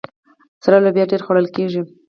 سره لوبیا ډیره خوړل کیږي.